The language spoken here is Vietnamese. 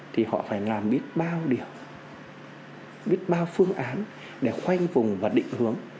thì họ phải làm biết bao điểm biết bao phương án để khoanh vùng và định hướng